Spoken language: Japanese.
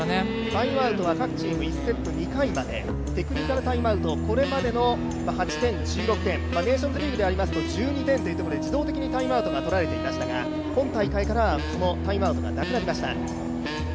タイムアウトが各チーム１セット２回まで、テクニカルタイムアウト、これまでの８点１６点、ネーションズリーグですと１２点というところで、自動的にタイムアウトが取られていましたが今大会からは、このタイムアウトがなくなりました。